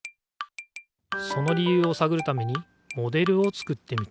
その理ゆうをさぐるためにモデルを作ってみた。